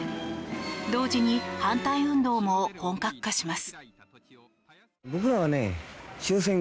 同時に反対運動も本格化します。